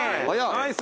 ナイス。